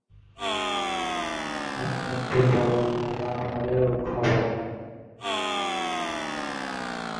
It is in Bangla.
আপনে একটু বলরামরেও খবর দেন।